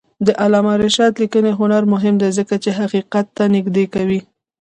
د علامه رشاد لیکنی هنر مهم دی ځکه چې حقیقت ته نږدې کوي.